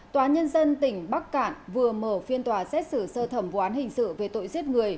tòa nhân dân tỉnh bắc cạn vừa mở phiên tòa xét xử sơ thẩm vụ án hình sự về tội giết người